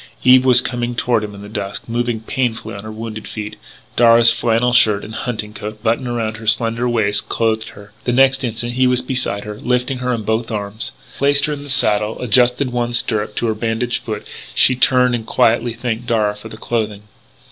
Eve was coming toward him in the dusk, moving painfully on her wounded feet. Darragh's flannel shirt and his hunting coat buttoned around her slender waist clothed her. The next instant he was beside her, lifting her in both arms. As he placed her in the saddle and adjusted one stirrup to her bandaged foot, she turned and quietly thanked Darragh for the clothing.